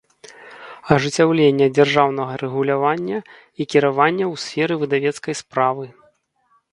Ажыццяўленне дзяржаўнага рэгулявання i кiравання ў сферы выдавецкай справы